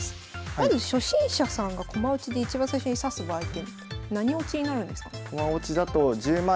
まず初心者さんが駒落ちで一番最初に指す場合って何落ちになるんですかね？